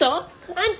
あんた！